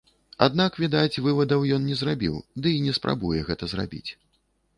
Аднак, відаць, вывадаў ён не зрабіў, ды і не спрабуе гэта зрабіць.